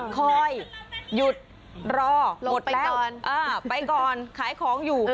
คอยหยุดรอหมดแล้วไปก่อนขายของอยู่